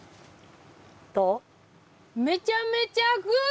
めちゃめちゃグ！